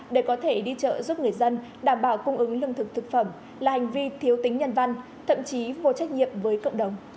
để có thể đi chợ giúp người dân đảm bảo cung ứng lương thực thực phẩm là hành vi thiếu tính nhân văn thậm chí vô trách nhiệm với cộng đồng